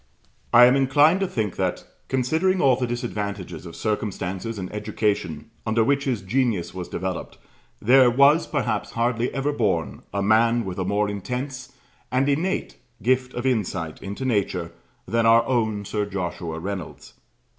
I am inclined to think that, considering all the disadvantages of circumstances and education under which his genius was developed, there was perhaps hardly ever born a man with a more intense and innate gift of insight into nature than our own Sir Joshua Reynolds.